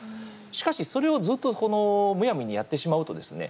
しかし、それをずっとむやみにやってしまうとですね